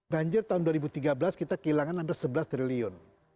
banjir tahun dua ribu tiga belas kita kehilangan hampir sebelas triliun